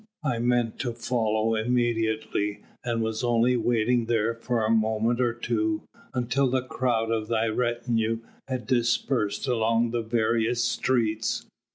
I meant to follow immediately, and was only waiting there for a moment or two until the crowd of thy retinue had dispersed along the various streets.